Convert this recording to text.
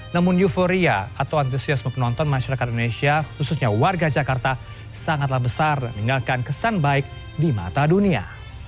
namun euforia atau antusiasme penonton masyarakat indonesia khususnya warga jakarta sangatlah besar dan meninggalkan kesan baik di mata dunia